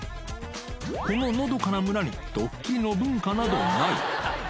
こののどかな村にドッキリの文化などない。